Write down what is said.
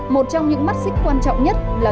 một trong những mắt xích quan trọng nhất là